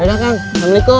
yaudah kang assalamualaikum